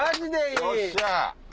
よっしゃ！